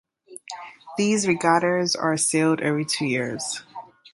These regattas are sailed every two years.